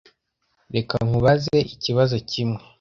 Reka nkubaze ikibazo kimwe